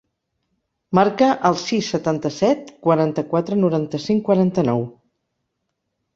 Marca el sis, setanta-set, quaranta-quatre, noranta-cinc, quaranta-nou.